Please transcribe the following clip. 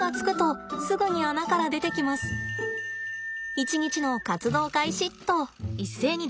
一日の活動開始と。